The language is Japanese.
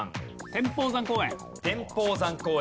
天保山公園。